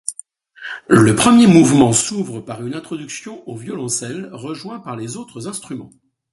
Le premier mouvement s'ouvre par une introduction au violoncelle, rejoint par les autres instruments.